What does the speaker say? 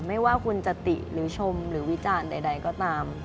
ไม่ว่าคุณจะติหรือชมหรือวิจารณ์ใดก็ตาม